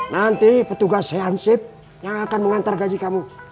nanti petugas hansip yang akan mengantar gaji kamu